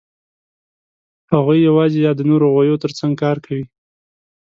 هغوی یواځې یا د نورو غویو تر څنګ کار کوي.